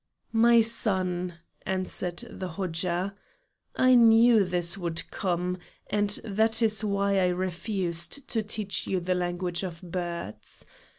"My son," answered the Hodja, "I knew this would come, and that is why I refused to teach you the language of birds.